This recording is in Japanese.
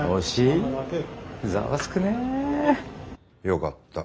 よかった。